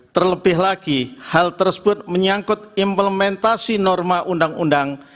terlebih lagi hal tersebut menyangkut implementasi norma undang undang